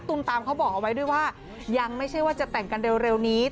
ตามเขาบอกเอาไว้ด้วยว่ายังไม่ใช่ว่าจะแต่งกันเร็วนี้